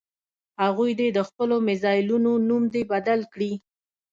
هغوی دې د خپلو میزایلونو نوم دې بدل کړي.